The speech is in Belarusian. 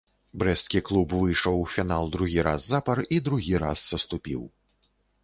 Брэсцкі клуб выйшаў у фінал другі раз запар і другі раз саступіў.